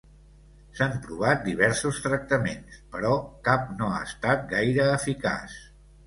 S'han provat diversos tractaments, però cap no ha estat gaire eficaç.